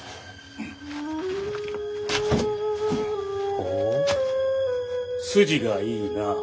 ほう筋がいいな。